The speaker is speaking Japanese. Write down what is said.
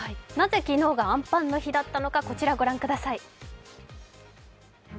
なぜ昨日があんぱんの日だったのか、こちら御覧ください。